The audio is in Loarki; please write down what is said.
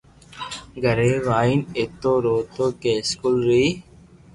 گھري وائيين ايتو روتو ڪي اسڪول ري